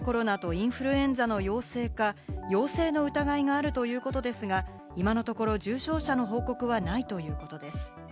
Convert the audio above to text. ４７０人程度が新型コロナとインフルエンザの陽性の疑いがあるということですが、今のところ重症者の報告はないということです。